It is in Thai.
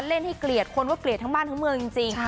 เล่นให้เกลียดคนก็เกลียดทั้งบ้านทั้งเมืองจริง